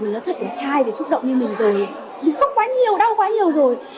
mà nó thật là trai về xúc động như mình rồi mình khóc quá nhiều đau quá nhiều rồi